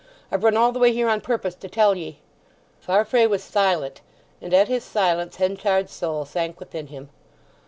I've run all the way here on purpose to tell ye." Farfrae was silent, and at his silence Henchard's soul sank within him.